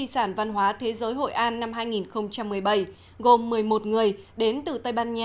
tăng ba mươi sáu so với cùng kỳ năm trước